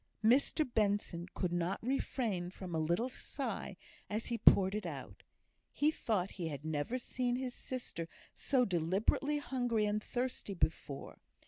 Mr Benson could not refrain from a little sigh as he poured it out. He thought he had never seen his sister so deliberately hungry and thirsty before.